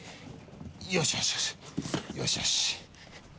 よしよしよしよしよし。